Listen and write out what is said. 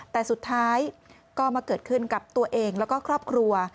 แต่สุดท้ายก็มาเกิดขึ้นกับตัวเองแล้วก็ครอบครัว